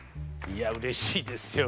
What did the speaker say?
いやうれしいですよ